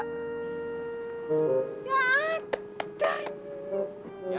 tapi nyuhti masih ada nggak